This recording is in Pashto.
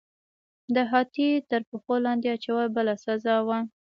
د هاتي تر پښو لاندې اچول بله سزا وه.